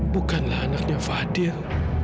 bukanlah anaknya fadil